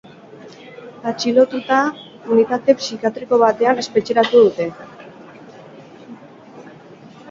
Atxilotua unitate psikiatriko batean espetxeratu dute.